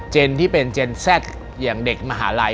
ที่เป็นเจนแซ่ดอย่างเด็กมหาลัย